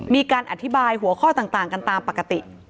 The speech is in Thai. มีการอธิบายหัวข้อต่างกันตามปกติ